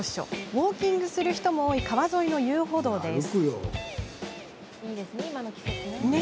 ウォーキングする人も多い川沿いの遊歩道です。